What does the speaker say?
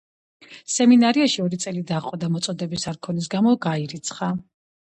სემინარიაში ორი წელი დაჰყო და „მოწოდების არქონის“ გამო გაირიცხა.